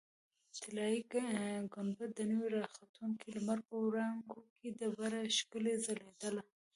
طلایي ګنبده د نوي راختونکي لمر په وړانګو کې ډېره ښکلې ځلېدله.